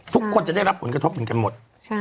ทุกคนจะได้รับผลกระทบเหมือนกันหมด